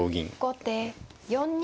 後手４二玉。